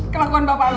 kelakuan bapak lu